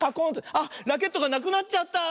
あっラケットがなくなっちゃった。